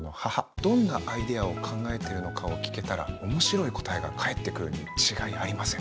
どんなアイデアを考えてるのかを聞けたら面白い答えが返ってくるに違いありません。